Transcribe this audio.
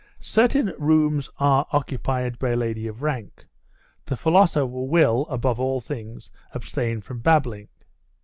Certain rooms are occupied by a lady of rank. The philosopher will, above all things, abstain from babbling.